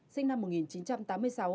sinh năm một nghìn chín trăm tám mươi sáu